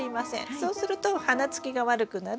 そうすると花つきが悪くなる。